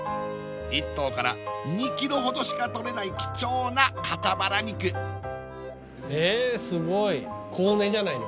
１頭から２キロほどしかとれない貴重な肩バラ肉ええすごいコウネじゃないの？